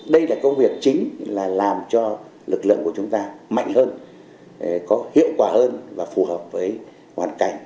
đây là công việc chính là làm cho lực lượng của chúng ta mạnh hơn có hiệu quả hơn và phù hợp với hoàn cảnh